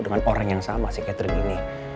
dengan orang yang sama si catering ini